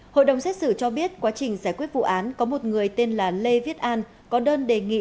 hội đồng xét xử cho biết quá trình giải quyết vụ án có một người tên là lê viết an có đơn đề nghị